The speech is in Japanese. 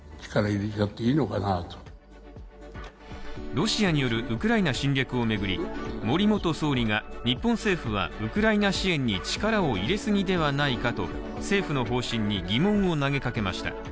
ロシアによるウクライナ侵略を巡り、森元総理が、日本政府はウクライナ支援に力を入れすぎではないかと政府の方針に疑問を投げかけました。